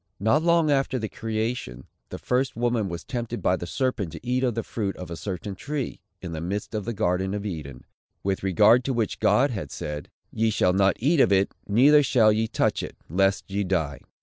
Not long after the creation, the first woman was tempted by the serpent to eat of the fruit of a certain tree, in the midst of the garden of Eden, with regard to which God had said, "Ye shall not eat of it, neither shall ye touch it, lest ye die."